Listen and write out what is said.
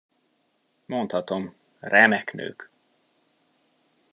Mondhatom, remek nők!